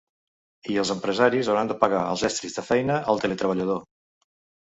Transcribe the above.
I els empresaris hauran de pagar els estris de feina al teletreballador.